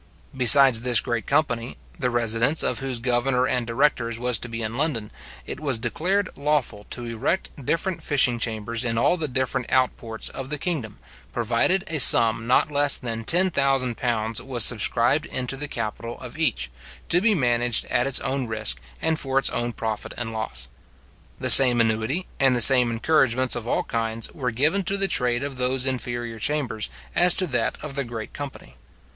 Besides this great company, the residence of whose governor and directors was to be in London, it was declared lawful to erect different fishing chambers in all the different out ports of the kingdom, provided a sum not less than £10,000 was subscribed into the capital of each, to be managed at its own risk, and for its own profit and loss. The same annuity, and the same encouragements of all kinds, were given to the trade of those inferior chambers as to that of the great company.